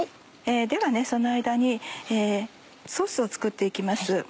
ではその間にソースを作って行きます。